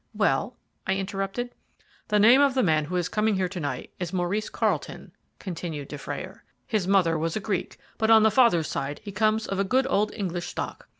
"Well?" I interrupted. "The name of the man who is coming here to night is Maurice Carlton," continued Dufrayer. "His mother was a Greek, but on the father's side he comes of a good old English stock.